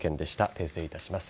訂正いたします。